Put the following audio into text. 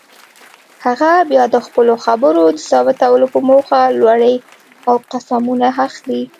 هغه بیا د خپلو خبرو د ثابتولو په موخه لوړې او قسمونه اخلي.